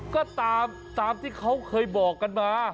ก็ตามที่เขาเคยบอกกันมา